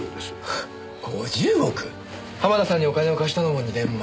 濱田さんにお金を貸したのが２年前。